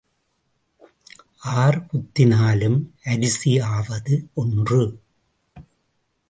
R குத்தினாலும் அரிசி ஆவது ஒன்று.